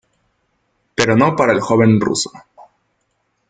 Pero no para el joven ruso.